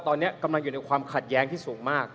ตอนนี้กำลังอยู่ในความขัดแย้งที่สูงมาก